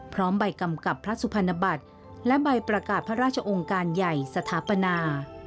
ใบกำกับพระสุพรรณบัตรและใบประกาศพระราชองค์การใหญ่สถาปนา